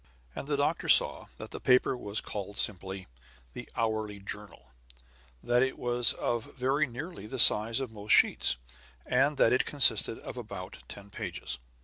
And the doctor saw that the paper was called simply The Hourly Journal; that it was of very nearly the size of most sheets; and that it consisted of about ten pages.